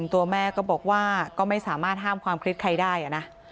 ตัวแม่ก็บอกว่าก็ไม่สามารถห้ามความคิดใครได้นะ